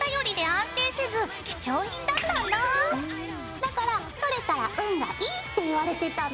だからとれたら運がいいっていわれてたの！